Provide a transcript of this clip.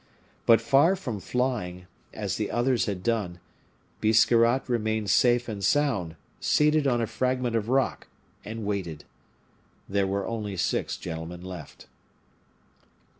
But, far from flying, as the others had done, Biscarrat remained safe and sound, seated on a fragment of rock, and waited. There were only six gentlemen left.